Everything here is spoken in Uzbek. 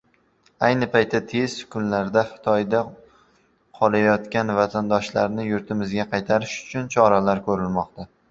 Ayni paytda tez kunlarda Xitoyda qolayotgan vatandoshlarni yurtimizga qaytarish uchun choralar ko‘rilmoqda.